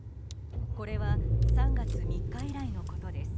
これは３月３日以来のことです。